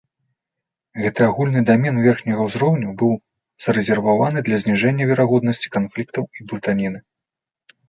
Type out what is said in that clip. Гэты агульны дамен верхняга ўзроўню быў зарэзерваваны для зніжэння верагоднасці канфліктаў і блытаніны.